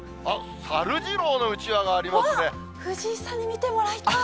あっ、藤井さんに見てもらいたい。